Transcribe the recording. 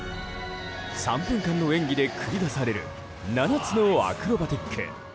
３分間の演技で繰り出される７つのアクロバティック。